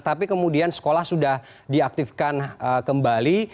tapi kemudian sekolah sudah diaktifkan kembali